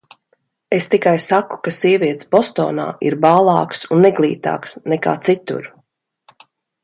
Es tikai saku, ka sievietes Bostonā ir bālākas un neglītākas nekā citur.